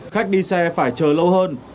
khách đi xe phải chờ lâu hơn